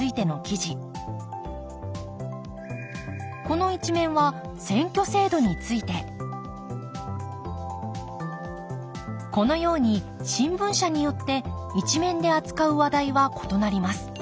この１面は選挙制度についてこのように新聞社によって１面で扱う話題は異なります。